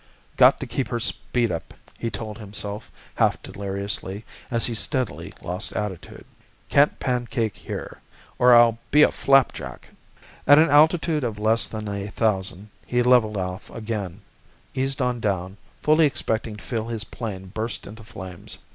"Got to keep her speed up!" he told himself, half deliriously, as he steadily lost altitude. "Can't pancake here, or I'll be a flapjack!" At an altitude of less than a thousand he levelled off again, eased on down, fully expecting to feel his plane burst into flames.